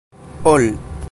ol